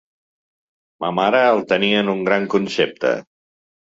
Ma mare el tenia en un gran concepte.